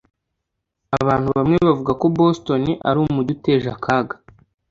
Abantu bamwe bavuga ko Boston ari umujyi uteje akaga